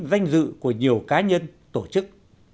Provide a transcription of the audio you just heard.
danh dự của nhiều cá nhân tổ chức